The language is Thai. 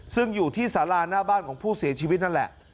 ซึ่งอยู่ที่สาราหน้าบ้านของผู้เสียชีวิตนั่นแหละ